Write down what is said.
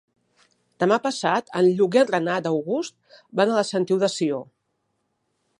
Demà passat en Lluc i en Renat August van a la Sentiu de Sió.